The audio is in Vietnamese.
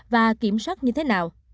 và kiểm soát như thế nào